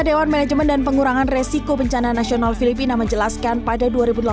dewan manajemen dan pengurangan resiko bencana nasional filipina menjelaskan pada dua ribu delapan belas